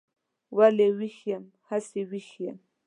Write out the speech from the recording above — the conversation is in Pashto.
ولې ویښ یم؟ هسې ویښ یم.